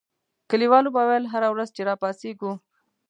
کلیوالو به ویل هره ورځ چې را پاڅېږو.